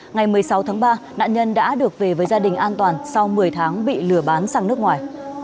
ngày một mươi sáu tháng ba nạn nhân đã được về với gia đình an toàn sau một mươi tháng bị lừa bán sang nước ngoài